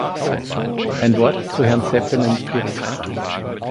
Ein Wort zu Herrn Seppänens Bericht.